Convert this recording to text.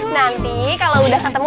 nanti kalau udah ketemu